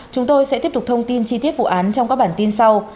chúng tôi sẽ tiếp tục thông tin chi tiết vụ án trong các bản tin sau